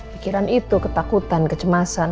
pikiran itu ketakutan kecemasan